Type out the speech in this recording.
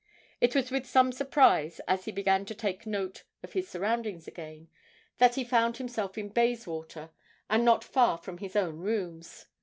It was with some surprise that, as he began to take note of his surroundings again, he found himself in Bayswater, and not far from his own rooms.